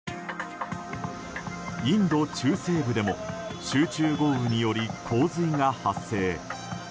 インド中西部でも集中豪雨により洪水が発生。